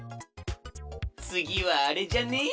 つぎはあれじゃね？